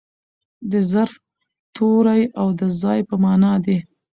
د ظرف توری او د ځای په مانا دئ.